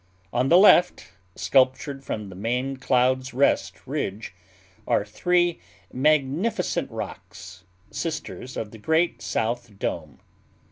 On the left, sculptured from the main Cloud's Rest ridge, are three magnificent rocks, sisters of the great South Dome.